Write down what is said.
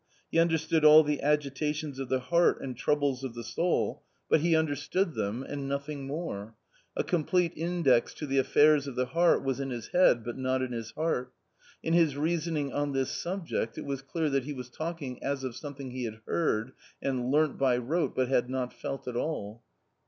He understood all the agitations of the heart and troubles of the soul, but he under V A COMMON STORY 147 stood them — and nothing more. A complete index to the affairs of the heart was in his head, but not in his heart. In his reasoning on this subject it was clear that he was talking as of something he had heard and learnt by rote, but had not felt at all.